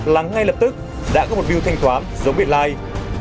lắng ngay lập tức đã có một bill thanh thoáng giống biệt like